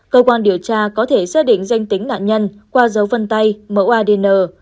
cơ quan điều tra có thể xác định danh tính nạn nhân qua dấu vân tay mẫu adn